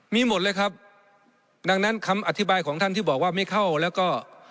มีหมดเลยครับดังนั้นคำอธิบายของท่านที่บอกว่าไม่เข้าแล้วก็